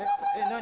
何？